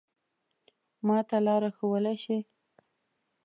ما ته لاره ښوولای شې؟